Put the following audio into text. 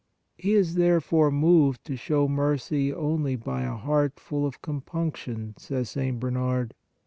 " He is therefore moved to show mercy only by a heart full of com THE CENTURION 75 punction," says St. Bernard.